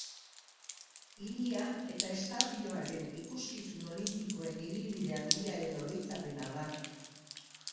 Hiria eta estadioaren ikuskizun olinpikoen ibilbide handiaren oroitzapena da.